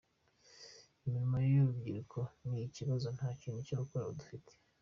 Imirimo ku rubyiruko ni ikibazo, nta kintu cyo gukora dufite.